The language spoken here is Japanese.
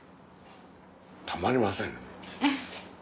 たまりません。